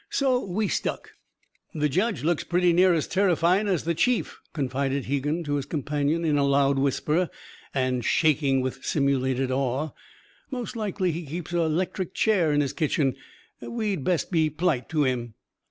So we stuck." "The judge looks pretty near as terrifyin' as the chief," confided Hegan to his companion in a loud whisper and shaking with simulated awe. "Most likely he keeps a 'lectric chair in his kitchen. We'd best be p'lite to him."